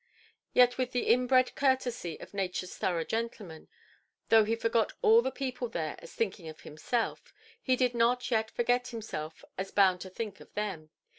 Yet with the inbred courtesy of natureʼs thorough gentleman, though he forgot all the people there as thinking of himself, he did not yet forget himself as bound to think of them.